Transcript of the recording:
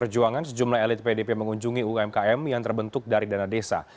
perjuangan sejumlah elit pdp mengunjungi umkm yang terbentuk dari dana desa